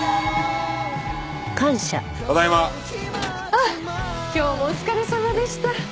ああ今日もお疲れさまでした。